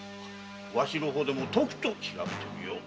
わしの方でも調べてみよう。